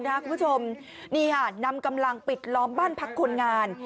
คุณผู้ชมนี่ค่ะนำกำลังปิดล้อมบ้านพักคนงาน